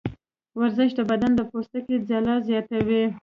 ورزش د بدن د پوستکي ځلا زیاتوي.